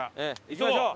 行きましょう。